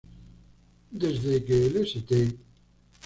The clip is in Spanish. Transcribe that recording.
Desde que el "St.